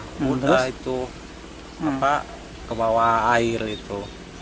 mudah itu ke bawah air itu